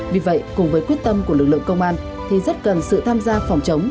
vì vậy cùng với quyết tâm của lực lượng công an thì rất cần sự tham gia phòng chống